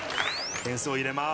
点数を入れます。